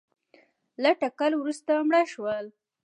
له ټکر وروسته مړه شول